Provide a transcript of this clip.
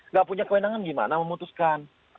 nggak punya kewenangan gimana memutuskan